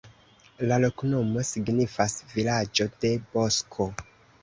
La loknomo signifas: vilaĝo de bosko.